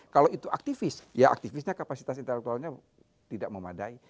kalau itu aktifis ya aktifisnya kapasitas intelektualnya tidak memadai